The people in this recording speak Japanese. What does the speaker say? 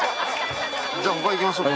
じゃあ他行きましょうか。